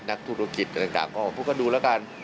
นักธุรกิจต่างก็พูดกันดูแล้วกัน